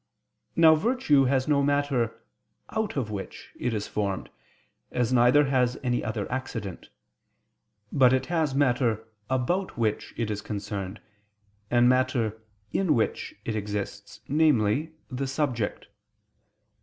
Now virtue has no matter "out of which" it is formed, as neither has any other accident; but it has matter "about which" it is concerned, and matter "in which" it exists, namely, the subject.